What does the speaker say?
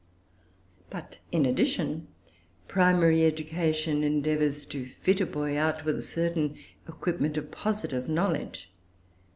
But, in addition, primary education endeavours to fit a boy out with a certain equipment of positive knowledge.